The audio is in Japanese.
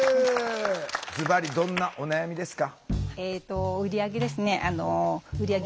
ズバリどんなお悩みですか？